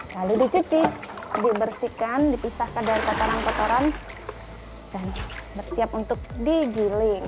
lalu dicuci dibersihkan dipisahkan dari kotoran kotoran dan bersiap untuk digiling